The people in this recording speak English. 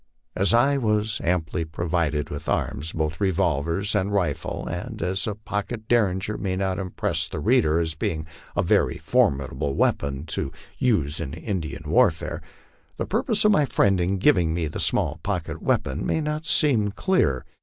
As I was amply provided with arms, both revolvers and rifle, and as a pocket Derringer may not impress the reader as being a very formidable weapon to use in Indian warfare, the purpose of my friend in giving me the small pocket weapon may not seem clear.